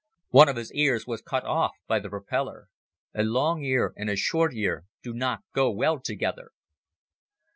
One of his ears was cut off by the propeller. A long ear and a short ear do not go well together.